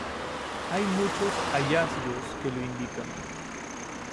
Hay muchos hallazgos que lo indican.